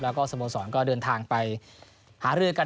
แล้วก็สโมสรก็เดินทางไปหารือกัน